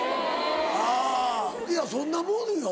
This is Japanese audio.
あいやそんなもんよ